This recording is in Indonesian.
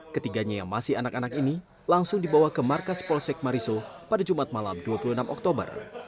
ketiganya yang masih anak anak ini langsung dibawa ke markas polsek mariso pada jumat malam dua puluh enam oktober